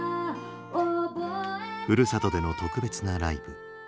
ふるさとでの特別なライブ。